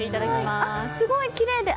すごいきれいで。